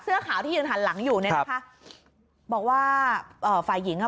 เสื้อขาวที่ยืนหันหลังอยู่เนี่ยนะคะบอกว่าเอ่อฝ่ายหญิงอ่ะ